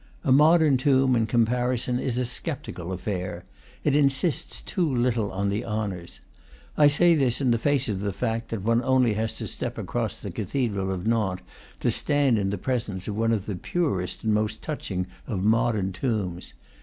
A modern tomb, in com parison, is a sceptical affair; it insists too little on the honors. I say this in the face of the fact that one has only to step across the cathedral of Nantes to stand in the presence of one of the purest and most touching of modern tombs.